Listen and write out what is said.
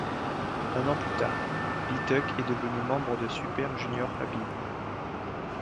Un an plus tard, Leeteuk est devenu membre de Super Junior Happy.